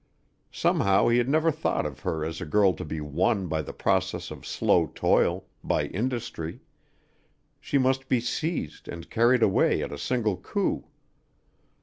Somehow he had never thought of her as a girl to be won by the process of slow toil by industry; she must be seized and carried away at a single coup.